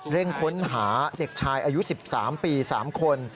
ค้นหาเด็กชายอายุ๑๓ปี๓คน